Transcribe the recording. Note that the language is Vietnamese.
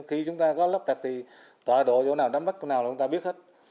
khi chúng ta có lắp đặt thì tòa độ chỗ nào đánh bắt chỗ nào là chúng ta biết hết